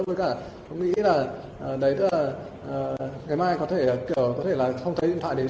với cả tôi nghĩ là ngày mai có thể không thấy điện thoại đấy